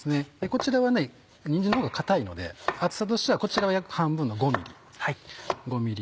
こちらはにんじんのほうが硬いので厚さとしてはこちらは約半分の５ｍｍ。